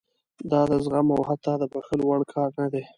دا د زغم او حتی د بښلو وړ کار نه دی.